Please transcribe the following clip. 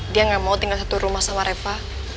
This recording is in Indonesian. dia nggak mau tinggal satu rumah sama reva